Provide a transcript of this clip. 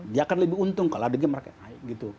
dia akan lebih untung kalau adanya market naik gitu